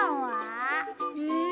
うん？